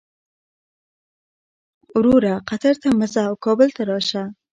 وروره قطر ته مه ځه او کابل ته راشه.